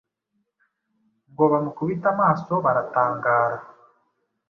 ngo bamukubite amaso baratangara,